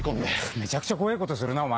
めちゃくちゃ怖えぇことするなお前。